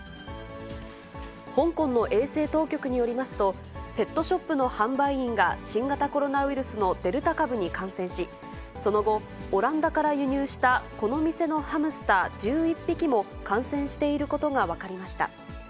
香港の衛生当局によりますと、ペットショップの販売員が、新型コロナウイルスのデルタ株に感染し、その後、オランダから輸入したこの店のハムスター１１匹も、感染していることが分かりました。